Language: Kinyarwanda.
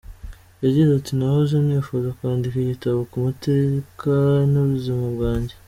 Yagize ati :« Nahoze nifuza kwandika igitabo ku mateka y’ubuzima bwanjye.